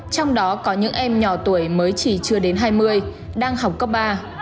trong đó có những em nhỏ tuổi mới chỉ chưa đến hai mươi đang học cấp ba